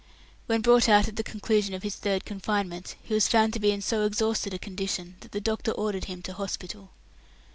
When brought out at the conclusion of his third confinement, he was found to be in so exhausted a condition that the doctor ordered him to hospital.